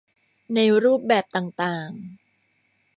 ในรูปแบบต่างต่าง